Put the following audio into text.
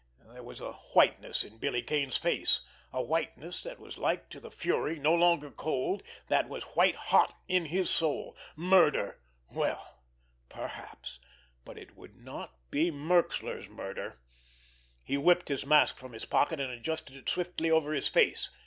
There was a whiteness in Billy Kane's face, a whiteness that was like to the fury, no longer cold, that was white hot in his soul. Murder! Well, perhaps—but it would not be Merxler's murder! He whipped his mask from his pocket, and adjusted it swiftly over his face.